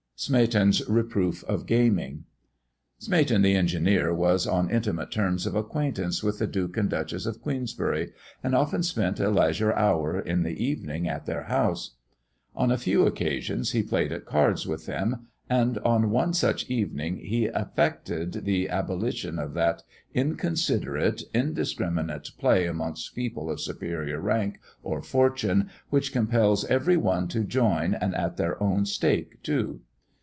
SMEATON'S REPROOF OF GAMING. Smeaton, the engineer, was on intimate terms of acquaintance with the Duke and Duchess of Queensbury, and often spent a leisure hour in the evening at their house. On a few occasions, he played at cards with them, and on one such evening, he effected the abolition of that inconsiderate, indiscriminate play amongst people of superior rank or fortune, which compels every one to join, and at their own stake too.